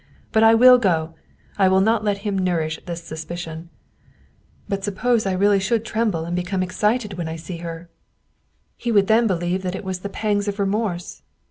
But I will go! I will not let him nourish this suspicion. But suppose I really should tremble and become excited 119 German Mystery Stories when I see her? He would then believe that it was the pangs of remorse